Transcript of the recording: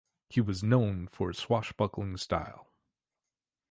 He was known for his swashbuckling-style.